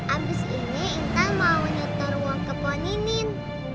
abis ini tintan mau nyetir uang ke poninin